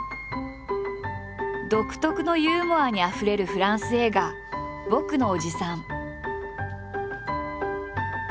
独特のユーモアにあふれるフランス映画「ぼくの伯父さん」。